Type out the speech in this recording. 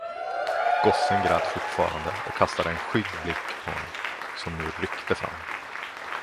Gossen grät fortfarande och kastade en skygg blick på honom, som nu ryckte fram.